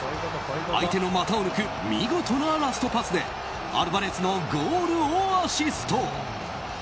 相手の股を抜く見事なラストパスでアルヴァレスのゴールをアシスト。